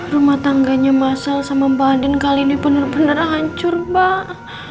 rumah tangganya masal sama mbak andin kali ini bener bener hancur mbak